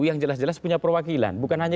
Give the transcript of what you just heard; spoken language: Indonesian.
yang jelas jelas punya perwakilan bukan hanya